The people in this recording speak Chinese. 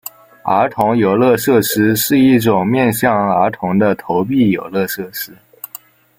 儿童游乐设施是一种面向儿童的投币游乐设施。